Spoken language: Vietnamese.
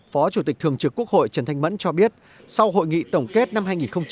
phó chủ tịch thường trực quốc hội trần thanh mẫn cho biết sau hội nghị tổng kết năm hai nghìn một mươi chín